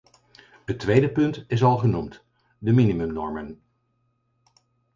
Het tweede punt is al genoemd: de minimumnormen.